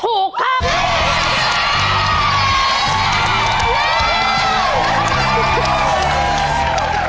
ถูกครับ